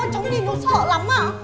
cháu nhìn nó sợ lắm á